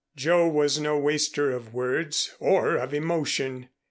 Joe was no waster of words or of emotion.